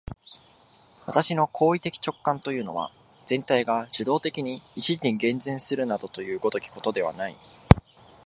私の行為的直観というのは、全体が受働的に一時に現前するなどいう如きことではない。